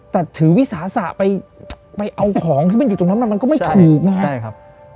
แต่ถือวิสาสะไปไปเอาของที่มันอยู่ตรงนั้นมันก็ไม่ถูกนะครับใช่ครับ